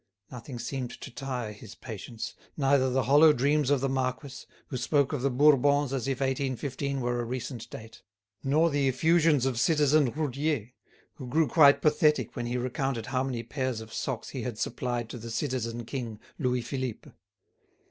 Nothing seemed to tire his patience, neither the hollow dreams of the marquis, who spoke of the Bourbons as if 1815 were a recent date, nor the effusions of citizen Roudier, who grew quite pathetic when he recounted how many pairs of socks he had supplied to the citizen king, Louis Philippe.